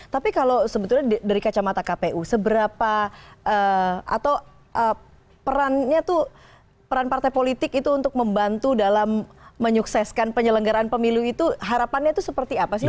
tapi kalau sebetulnya dari kacamata kpu seberapa atau perannya tuh peran partai politik itu untuk membantu dalam menyukseskan penyelenggaraan pemilu itu harapannya itu seperti apa sih